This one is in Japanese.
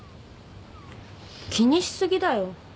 気にしすぎだよ。